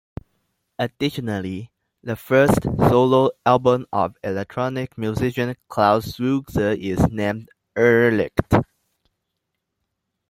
Additionally, the first solo album of electronic musician Klaus Schulze is named "Irrlicht".